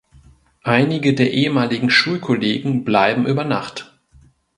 Einige der ehemaligen Schulkollegen bleiben über Nacht.